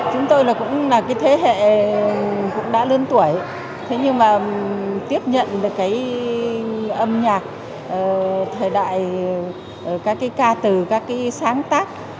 chúng tôi là cũng là cái thế hệ cũng đã lớn tuổi thế nhưng mà tiếp nhận được cái âm nhạc thời đại các cái ca từ các cái sáng tác